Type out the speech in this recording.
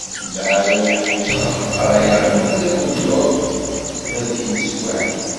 Mbeɛd aneḥbus ɣef leqraya i wazal n ddurt, terkem teswiɛt.